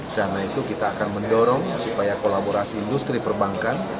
karena itu kita akan mendorong supaya kolaborasi industri perbankan